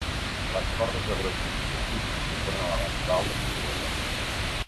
Les portes de bronze esculpit incorporen elegants baldes també de bronze.